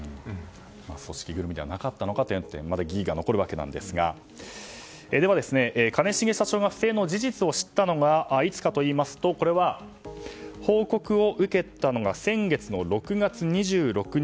組織ぐるみではなかったのかという点まだ疑義は残るわけなのですがでは、兼重社長が不正の事実を知ったのがいつかといいますとこれは報告を受けたのが先月６月２６日。